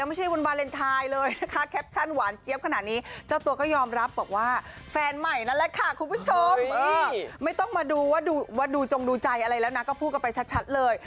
ไม่ต้องมาดูว่าดูจงดูใจก็พูดออกไปชัดเลย